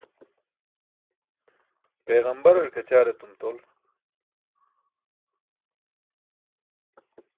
Peġambarar kaćaar etum tol.